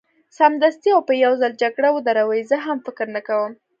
سمدستي او په یو ځل جګړه ودروي، زه هم فکر نه کوم.